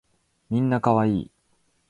みんな可愛い